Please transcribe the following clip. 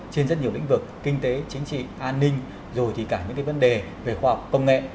trên rất nhiều lĩnh vực kinh tế chính trị an ninh rồi thì cả những vấn đề về khoa học công nghệ